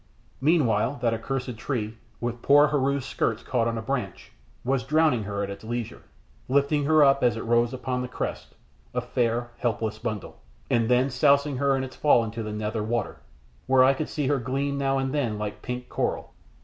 Meanwhile that accursed tree, with poor Heru's skirts caught on a branch, was drowning her at its leisure; lifting her up as it rose upon the crests, a fair, helpless bundle, and then sousing her in its fall into the nether water, where I could see her gleam now and again like pink coral.